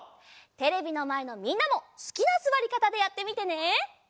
テレビのまえのみんなもすきなすわりかたでやってみてね！